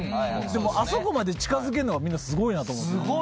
でもあそこまで近づけるのはみんなすごいなと思って。